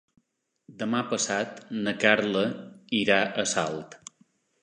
Demà passat na Carla irà a Salt.